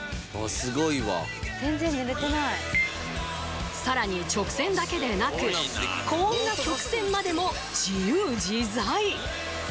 すごいわさらに直線だけでなくこんな曲線までも自由自在！